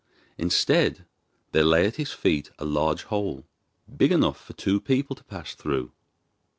Instead, there lay at his feet a large hole, big enough for two people to pass through.